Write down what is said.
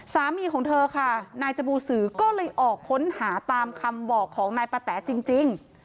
สามีของเธอค่ะนายจบูสือก็เลยออกค้นหาตามคำบอกของนายปะแต๋จริง